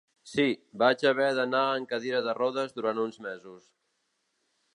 Sí, vaig haver d'anar en cadira de rodes durant uns mesos.